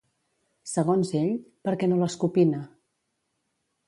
Segons ell, per què no l'escopina?